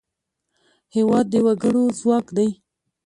هېواد د وګړو ځواک دی.